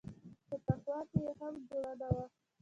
په تقوا کښې يې هم جوړه نه وه.